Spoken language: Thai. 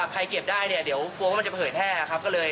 เก็บได้เนี่ยเดี๋ยวกลัวว่ามันจะเผยแพร่ครับ